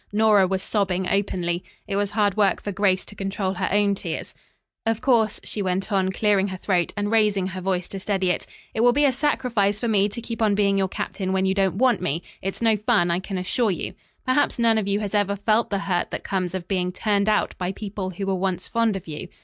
Nora was sobbing openly. It was hard work for Grace to control her own tears. "Of course," she went on, clearing her throat and raising her voice to steady it, "it will be a sacrifice for me to keep on being your captain when you don't want me. It's no fun, I can assure you. Perhaps none of you has ever felt the hurt that comes of being turned out by people who were once fond of you.